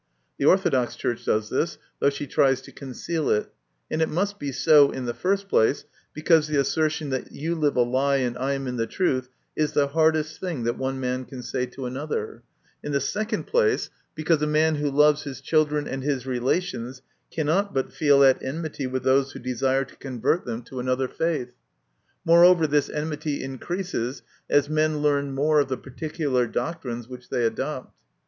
The Orthodox Church does this, though she tries to conceal it ; and it must be so, in the first place, because the assertion that you live a lie and I am in the truth is the hardest thing that one man can say to another ; in the second place, because a man who loves his children and his relations cannot but feel at enmity with those who desire to convert them to MY CONFESSION. 135 another faith. Moreover, this enmity increases as men learn more of the particular doctrines which they adopt.